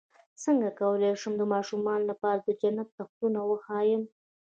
څنګه کولی شم د ماشومانو لپاره د جنت تختونه وښایم